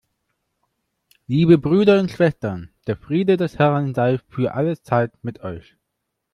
Liebe Brüder und Schwestern, der Friede des Herrn sei für alle Zeit mit euch.